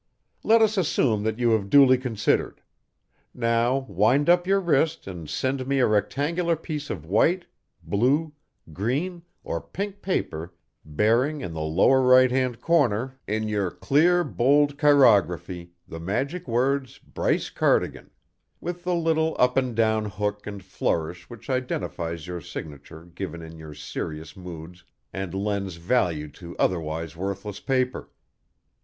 Let us assume that you have duly considered. Now wind up your wrist and send me a rectangular piece of white, blue, green, or pink paper bearing in the lower right hand corner, in your clear, bold chirography, the magic words "Bryce Cardigan" with the little up and down hook and flourish which identifies your signature given in your serious moods and lends value to otherwise worthless paper.